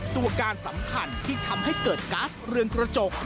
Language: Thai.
ตัวการสำคัญที่ทำให้เกิดก๊าซเรือนกระจก